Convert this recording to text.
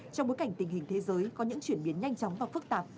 trong bối cảnh tình hình thế giới có những chuyển biến nhanh chóng và phức tạp